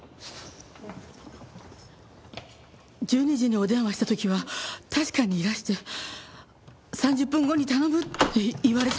１２時にお電話した時は確かにいらして３０分後に頼むって言われたんです。